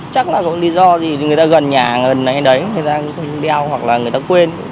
chắc là có lý do gì thì người ta gần nhà gần cái đấy người ta cũng đeo hoặc là người ta quên